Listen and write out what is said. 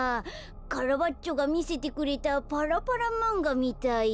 カラバッチョがみせてくれたパラパラまんがみたい。